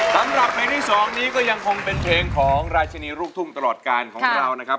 สำหรับเพลงที่สองนี้ก็ยังครงเป็นเพลงของราชานิรุกถุ่มตลอดกาลท่านครับ